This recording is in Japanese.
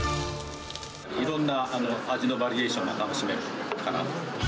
いろんな味のバリエーションが楽しめるかなと。